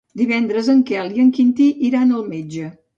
Divendres en Quel i en Quintí iran al metge.